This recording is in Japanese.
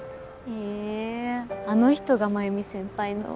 へえあの人が繭美先輩の。